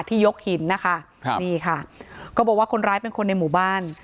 ยกหินนะคะครับนี่ค่ะก็บอกว่าคนร้ายเป็นคนในหมู่บ้าน